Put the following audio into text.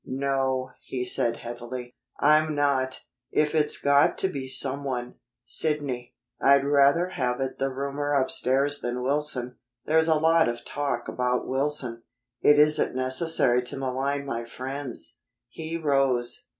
"No," he said heavily, "I'm not. If it's got to be someone, Sidney, I'd rather have it the roomer upstairs than Wilson. There's a lot of talk about Wilson." "It isn't necessary to malign my friends." He rose.